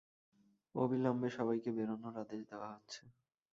অবিলম্বে সবাইকে বেরোনোর আদেশ দেওয়া হচ্ছে।